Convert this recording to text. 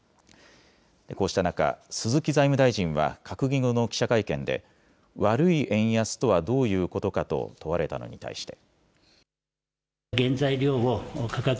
こうした中、鈴木財務大臣は閣議後の記者会見で悪い円安とはどういうことかと問われたのに対して。